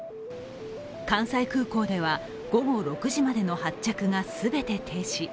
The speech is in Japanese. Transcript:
関西空港では午後６時までの発着が全て停止。